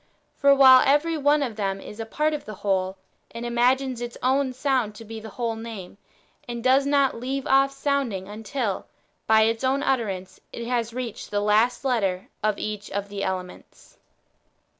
For while every one of them is a part of the whole, it imagines its own sound to be the whole name, and does not leave off sounding until, by its own utterance, it has reached the last letter of each of the elements.